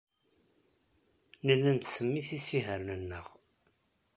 Nella nettsemmit isihaṛen-nneɣ.